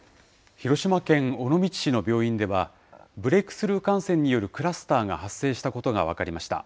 広島県尾道市の病院では、ブレイクスルー感染によるクラスターが発生したことが分かりました。